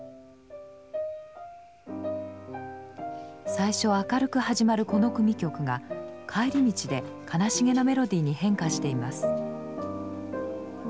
最初は明るく始まるこの組曲が「帰り道」で悲しげなメロディーに変化しています。